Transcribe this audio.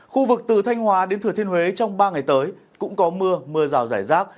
khu vực từ thanh hòa đến thừa thiên huế trong ba ngày tới cũng có mưa mưa rào rải rác